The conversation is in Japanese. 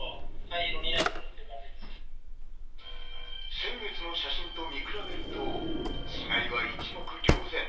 先月の写真と見比べると、違いは一目瞭然。